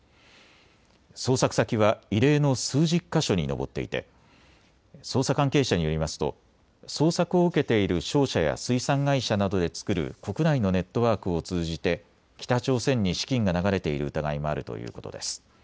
捜索先は異例の数十か所に上っていて捜査関係者によりますと捜索を受けている商社や水産会社などで作る国内のネットワークを通じて北朝鮮に資金が流れている疑いもあるということです。